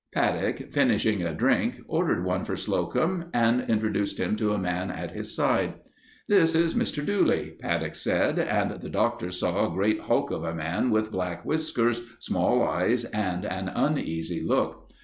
Paddock, finishing a drink ordered one for Slocum and introduced him to a man at his side: "This is Mr. Dooley," Paddock said, and the doctor saw a great hulk of a man with black whiskers, small eyes, and an uneasy look.